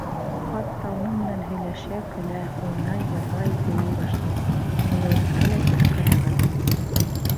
Хатта уның менән һөйләшә, көлә, уйнай, йырлай, бейей башланы ул. Мыяубикә лә бик ҡәнәғәт.